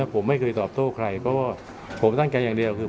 ผมไม่เคยตอบโต้ใครเพราะว่าผมตั้งใจอย่างเดียวคือ